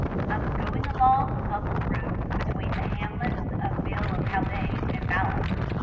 I was going along the public road between the hamlets of Mill of Haldane and Ballock.